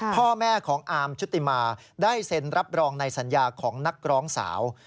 พ่อแม่ของอาร์มชุติมาได้เซ็นรับรองในสัญญาของนักร้องสาว